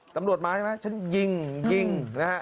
ตำรวจมาใช่ไหมฉันยิงยิงนะฮะ